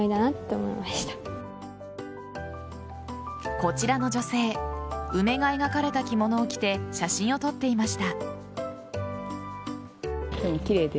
こちらの女性梅が描かれた着物を着て写真を撮っていました。